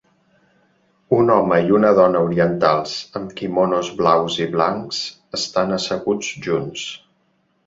Un home i una dona orientals amb quimonos blaus i blancs estan asseguts junts.